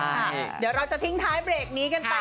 เดี๋ยวเราจะทิ้งท้ายเบรกนี้กันไป